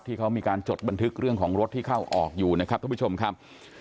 ที่เขามีการจดบันทึกเรื่องของรถที่เข้าออกอยู่นะครับท่านผู้ชมครับ